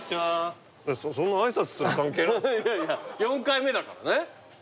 ４回目だからね。